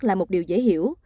là một điều dễ hiểu